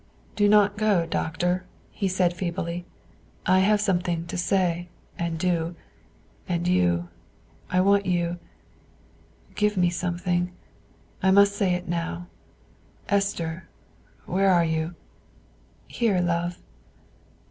"Do not go, Doctor," he said feebly; "I have something to say, to do, and you I want you give me something I must say it now. Esther, where are you?" "Here, love."